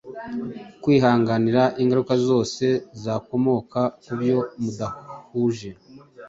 Kwihanganira ingaruka zose zakomoka kubyo mudahuje